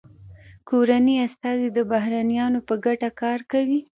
کورني استازي د بهرنیانو په ګټه کار کوي